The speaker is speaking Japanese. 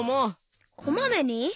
こまめに？